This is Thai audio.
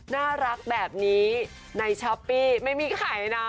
น่ารักแบบนี้ในช้อปปี้ไม่มีใครนะ